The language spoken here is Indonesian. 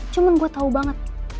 cuman gue tau banget